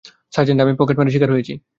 Sergeant, আমি পকেটমারের শিকার হয়েছি!